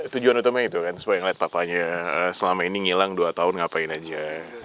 tujuan utama itu kan supaya ngeliat papanya selama ini ngilang dua tahun ngapain aja